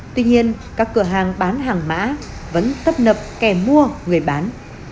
tuy nhiên các cửa hàng bán hàng mã vẫn tấp nập kẻ mua người bán